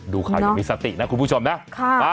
ดูข่าวยังมีสตินะคุณผู้ชมนะ